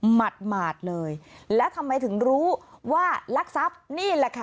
หมาดเลยและทำไมถึงรู้ว่าลักทรัพย์นี่แหละค่ะ